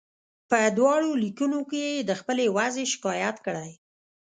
په دواړو لیکونو کې یې د خپلې وضعې شکایت کړی.